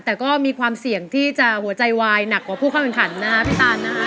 แต่ก็มีความเสี่ยงที่จะหัวใจวายหนักกว่าผู้เข้าแข่งขันนะฮะพี่ตานนะฮะ